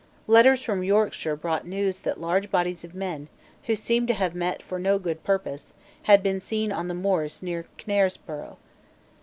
Letters from Yorkshire brought news that large bodies of men, who seemed to have met for no good purpose, had been seen on the moors near Knaresborough.